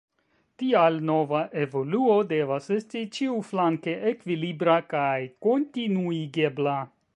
Tial nova evoluo devas esti ĉiuflanke ekvilibra kaj kontinuigebla.